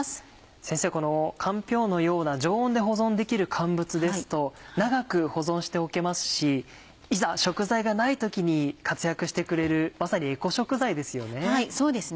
先生このかんぴょうのような常温で保存できる乾物ですと長く保存しておけますしいざ食材がない時に活躍してくれるまさにエコ食材ですよね。